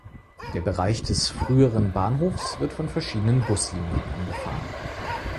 Der Bereich des früheren Bahnhofs wird von verschiedenen Buslinien angefahren.